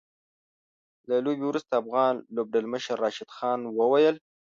له لوبې وروسته افغان لوبډلمشر راشد خان وويل